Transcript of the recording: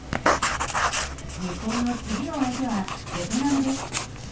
日本の次の相手はベトナムです。